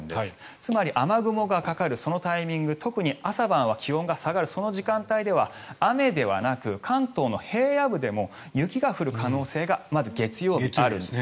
つまり、雨雲がかかるそのタイミング特に朝晩は気温が下がるその時間帯では雨ではなく関東の平野部でも雪が降る可能性がまず、月曜日にあるんです。